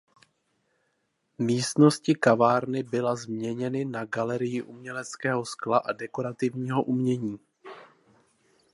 Místnosti kavárny byla změněny na galerii uměleckého skla a dekorativního umění.